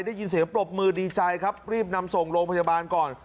ได้ยินเสียงปรบมือดีใจครับรีบนำส่งโรงพยาบาลก่อน